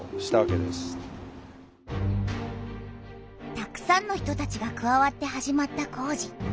たくさんの人たちがくわわって始まった工事。